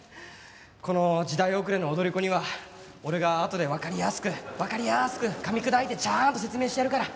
この時代遅れの踊り子には俺があとでわかりやすくわかりやすくかみ砕いてちゃんと説明してやるから。